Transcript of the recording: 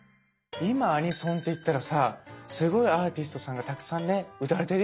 今アニソンって言ったらさすごいアーティストさんがたくさんね歌われてるよね。